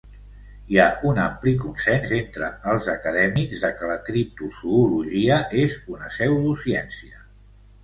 Hi ha un ampli consens entre els acadèmics de que la criptozoologia és una pseudociència.